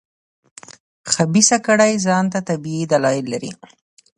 خبیثه کړۍ ځان ته طبیعي دلایل لري.